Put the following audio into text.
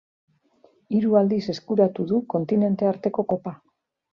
Hiru aldiz eskuratu du Kontinente arteko kopa.